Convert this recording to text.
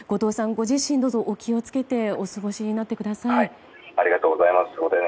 ご自身もどうぞ、お気をつけてお過ごしになってください。